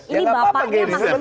ini bapaknya masih belum dijamat